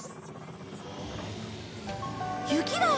雪だ！